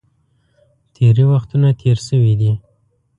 تېرې وختونه تېر شوي دي.